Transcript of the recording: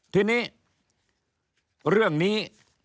ทีนี้เรื่องนี้